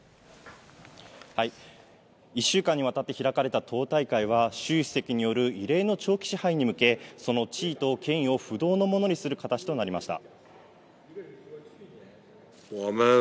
１週間にわたって開かれた党大会は、習主席による異例の長期支配に向け、その地位と権威を不動のものにする形となりました。